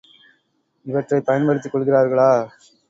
இவற்றைப் பயன்படுத்திக் கொள்கிறார்களா?